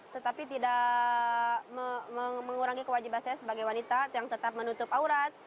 tetapi tidak mengurangi kewajiban saya sebagai wanita yang tetap menutup aurat